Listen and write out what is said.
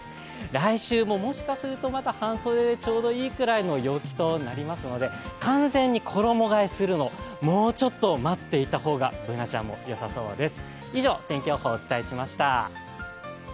来週ももしかすると半袖でちょうどいいくらいの陽気となりますので、完全に衣がえするの、もうちょっと待っていた方が、Ｂｏｏｎａちゃんも、よさそうです。